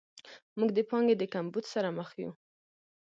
موږ د پانګې د کمبود سره مخ یو.